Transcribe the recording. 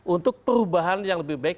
untuk perubahan yang lebih baik